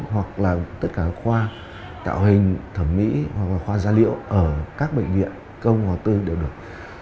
hoặc là tất cả khoa tạo hình thẩm mỹ hoặc là khoa gia liễu ở các bệnh viện công hoặc tư đều được